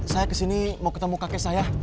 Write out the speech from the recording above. saya kesini mau ketemu kakek saya